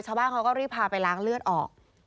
ชาวบ้านเขาก็รีบพาไปล้างเลือดออก